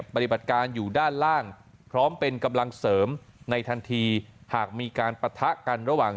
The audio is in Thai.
ปฏิบัติการอยู่ด้านล่างพร้อมเป็นกำลังเสริมในทันทีหากมีการปะทะกันระหว่าง